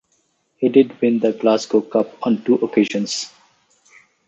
He did win the Glasgow Cup on two occasions.